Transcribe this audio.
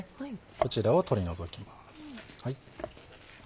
こちらを取り除きます。